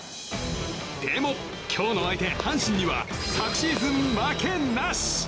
でも今日の相手、阪神には昨シーズン負けなし！